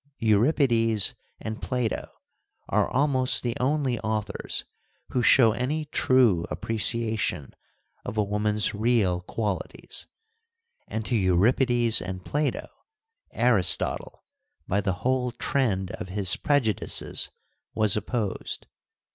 Euripides and Plato are almost the only authors who show any true appreciation of a woman's real qualities, and to Euripides and Plato, Aristotle, by the whole trend of his prejudices, was opposed.